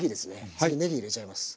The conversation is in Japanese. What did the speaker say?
次ねぎ入れちゃいます。